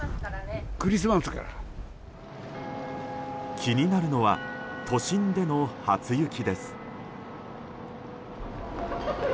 気になるのは都心での初雪です。